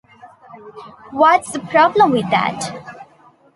What's the problem with that?